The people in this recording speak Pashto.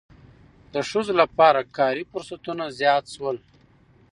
د ښځو لپاره کاري فرصتونه زیات شول.